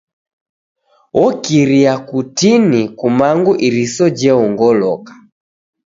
Okiria kutini kumangu iriso jeongoloka.